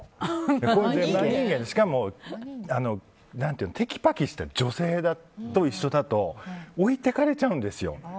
しかもてきぱきした女性と一緒だと置いてかれちゃうんですよ。